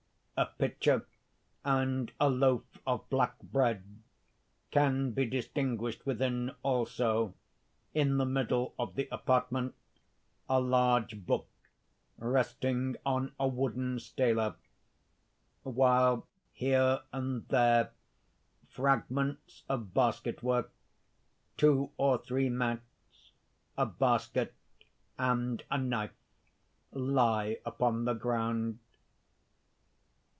A pitcher and a loaf of black bread can be distinguished within also, in the middle of the apartment a large book resting on a wooden STELA; while here and there, fragments of basketwork, two or three mats, a basket, and a knife lie upon the ground.